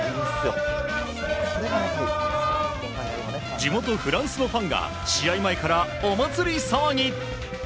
地元フランスのファンが試合前からお祭り騒ぎ。